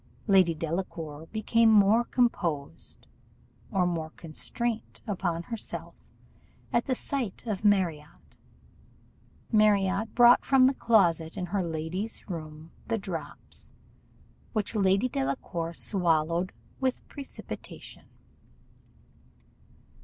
Lady Delacour became more composed, or put more constraint upon herself, at the sight of Marriott. Marriott brought from the closet in her lady's room the drops, which Lady Delacour swallowed with precipitation.